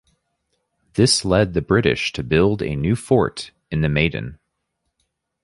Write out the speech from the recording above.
This led the British to build a new fort in the Maidan.